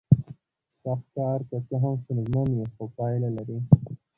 سخت کار که څه هم ستونزمن وي خو پایله لري